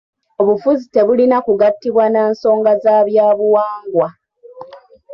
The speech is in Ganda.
Obufuzi tebulina kugatibwa na nsonga za bya buwangwa.